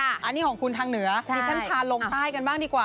อันนี้ของคุณทางเหนือดิฉันพาลงใต้กันบ้างดีกว่า